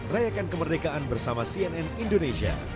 rayakan kemerdekaan bersama cnn indonesia